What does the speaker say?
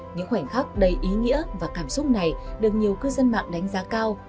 những khoảnh khắc đầy ý nghĩa và cảm xúc này được nhiều cư dân mạng đánh giá cao